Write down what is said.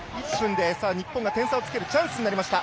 日本が点差をつけるチャンスになりました。